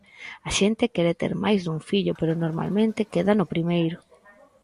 A xente quere ter máis dun fillo, pero normalmente queda no primeiro.